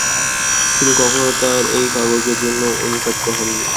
তিনি কখনো তার এই কাজের জন্য অনুতপ্ত হননি।